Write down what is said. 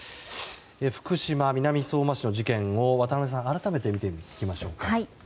福島・南相馬市の事件を渡辺さん改めて見ていきましょう。